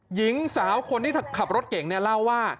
หญิงสาวคนที่ขับรถเก่งเนี่ยเล่าว่า